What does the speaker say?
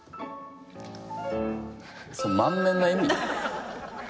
それ満面の笑み？